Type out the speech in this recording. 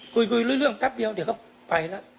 คุยคุยรู้เรื่องแป๊บเดียวเดี๋ยวก็ไปแล้ว